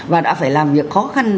và đã phải làm việc khó khăn